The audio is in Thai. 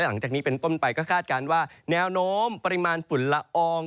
หลังจากนี้เป็นต้นไปก็คาดการณ์ว่าแนวโน้มปริมาณฝุ่นละออง